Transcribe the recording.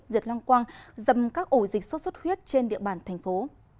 diệt long quang dầm các ổ dịch sốt xuất huyết trên địa bàn thành phố